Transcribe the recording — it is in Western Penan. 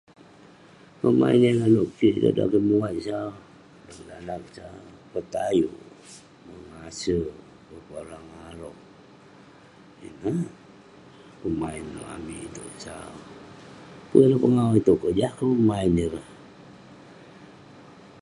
Pemain yah nanouk kik dalem duman sau, danak sau. Petayuk, mengase, peporang arok. Inen pemain nok amik iteuk sau. Pun pengau iteuk, kojah ke pemain ireh.